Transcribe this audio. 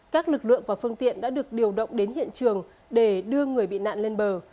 các lực lượng và phương tiện đã được điều động đến hiện trường để đưa người bị nạn lên bờ